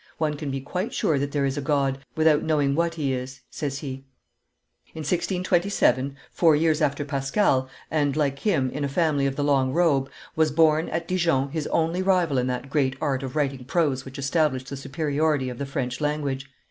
"One can be quite sure that there is a God, without knowing what He is," says he. In 1627, four years after Pascal, and, like him, in a family of the long robe, was born, at Dijon, his only rival in that great art of writing prose which established the superiority of the French language.